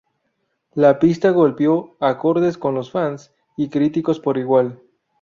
La pista golpeó acordes con los fans y críticos por igual.